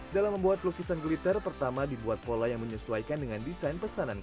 dalam membuat pelukisan glitter pertama dibuat pola yang menyesuaikan